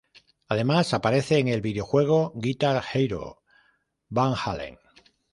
Además aparece en el videojuego Guitar Hero: Van Halen.